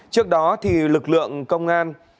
trước đó thì lực lượng công an